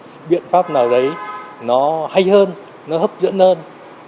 phải có những cái biện pháp nào đấy nó hay hơn nó hấp dẫn hơn